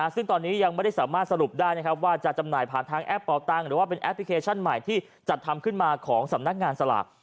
ซึ่งตอนนี้ยังไม่ได้สามารถสรุปได้นะครับว่าจะจำหน่ายผ่านทางแอปเป่าตังค์หรือว่าเป็นแอปพลิเคชันใหม่ที่จัดทำขึ้นมาของสำนักงานสลาก